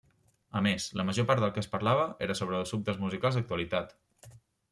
A més, la major part del que es parlava era sobre assumptes musicals d'actualitat!